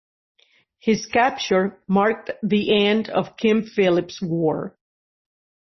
His capture marked the end of King Philip's War.